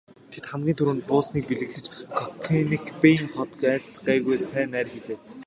Тэд хамгийн түрүүнд буусныг бэлэгшээж Конекбайн хот айл гайгүй сайн найр хийлээ.